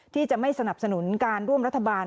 ที่จะไม่สนับสนุนการร่วมรัฐบาล